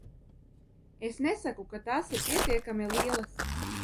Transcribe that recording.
Es nesaku, ka tās ir pietiekami lielas.